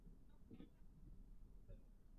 该舰内都市也成为日后宇宙移民计画的范本。